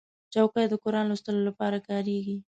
چوکۍ د قرآن لوستلو لپاره کارېږي.